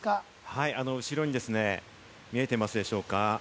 はい、後ろにですね、見えてますでしょうか？